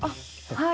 はい。